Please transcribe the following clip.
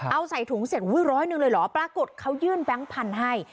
เอาใส่ถุงเสร็จอุ้ยร้อยหนึ่งเลยเหรอปรากฏเขายื่นแบงค์พันธุ์ให้